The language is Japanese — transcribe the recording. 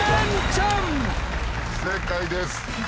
正解です。